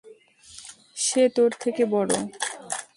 সে তোর থেকে বড়।